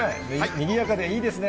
にぎやかでいいですね。